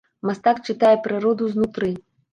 Мастак чытае прыроду знутры.